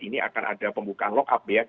ini akan ada pembukaan lock up